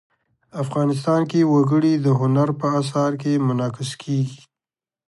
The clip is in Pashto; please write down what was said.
افغانستان کې وګړي د هنر په اثار کې منعکس کېږي.